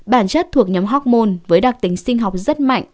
bản chất thuộc nhóm hormone với đặc tính sinh học rất mạnh